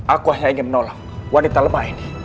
aku hanya ingin menolak wanita lemah ini